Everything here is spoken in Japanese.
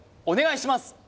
お願いします